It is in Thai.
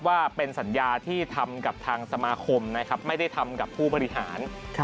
ว่าเป็นสัญญาที่ทำกับทางสมาคมนะครับไม่ได้ทำกับผู้บริหาร